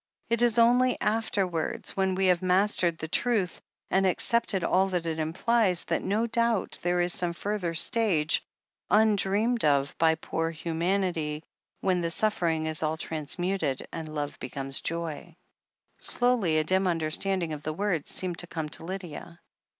It is only after wards, when we have mastered that truth, and accepted all that it implies, that no doubt there is some further stage, undreamed of by poor humanity, when the suf fering is all transmuted, and love becomes joy." Slowly a dim understanding of the words seemed to come to Lydia.